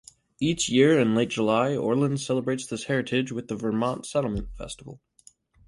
Each year in late July, Orland celebrates this heritage with the Vermont Settlement Festival.